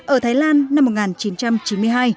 ở thái lan năm một nghìn chín trăm chín mươi hai